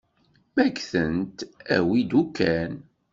Ma ggtent awi-d ukan.